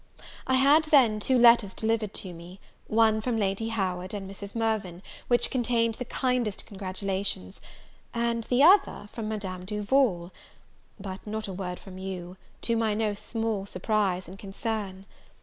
I had then two letters delivered to me; one from Lady Howard and Mrs. Mirvan, which contained the kindest congratulations; and the other from Madame Duval; but not a word from you, to my no small surprise and concern.